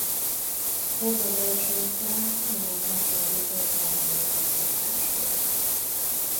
Ez a versenyszám nagyon hasonlított a mai szakításhoz.